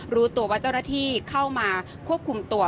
รู้ตัวว่าเจ้าหน้าที่เข้ามาควบคุมตัว